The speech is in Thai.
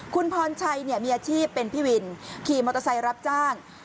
คุณพรชัยมีอาชีพเป็นพี่วินขี่มอเตอร์ไซค์รับจ้าง